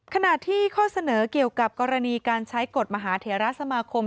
ขณะที่ข้อเสนอเกี่ยวกับกรณีการใช้กฎมหาเทราสมาคม